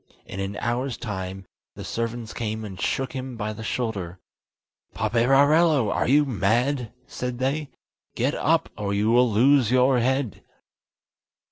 In an hour's time, the servants came and shook him by the shoulder. "Paperarello, are you mad?" said they. "Get up, or you will lose your head."